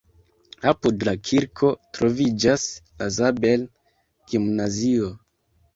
Apud la kirko troviĝas la Zabel-gimnazio.